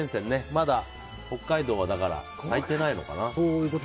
まだ北海道は咲いてないのかな。